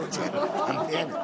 何でやねん。